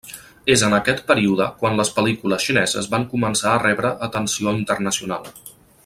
És en aquest període quan les pel·lícules xineses van començar a rebre atenció internacional.